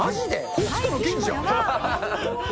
北斗の拳じゃん。